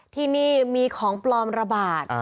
ที่นี่มีของปลอมระบาด